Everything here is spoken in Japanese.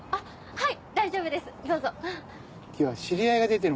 はい。